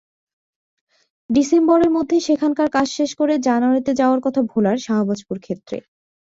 ডিসেম্বরের মধ্যে সেখানকার কাজ শেষ করে জানুয়ারিতে যাওয়ার কথা ভোলার শাহবাজপুর ক্ষেত্রে।